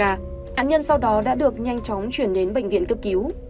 nạn nhân sau đó đã được nhanh chóng chuyển đến bệnh viện cấp cứu